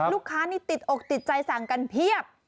นี่ติดอกติดใจสั่งกันเพียบ